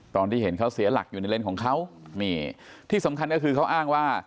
ตอนที่เห็นเขาเสียหลักอยู่ในเลนส์ของเขานี่ที่สำคัญก็คือเขาอ้างว่า